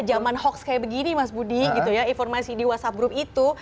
zaman hoax kayak begini mas budi gitu ya informasi di whatsapp group itu